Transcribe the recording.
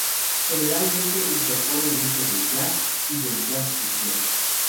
Generalmente incorporan elementos del jazz, y del jazz fusión.